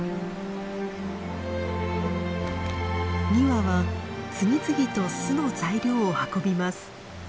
２羽は次々と巣の材料を運びます。